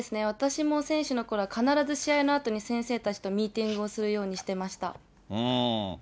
私も選手のころは必ず試合のあとに先生たちとミーティングをするようにしてました。